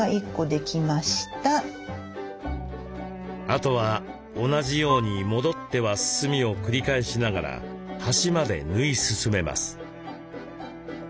あとは同じように戻っては進みを繰り返しながら端まで縫い進めます。